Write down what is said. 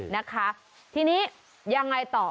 นะคะทีนี้ยังไงต่อ